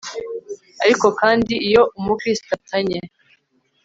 ariko kandi, iyo umukristo atanye